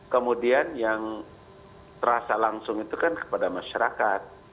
kemudian yang terasa langsung itu kan kepada masyarakat